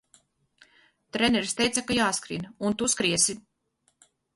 Treneris teica, ka jāskrien, un Tu skriesi!